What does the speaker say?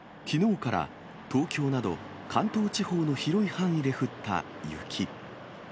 きのうから東京など、関東地方の広い範囲で降った雪。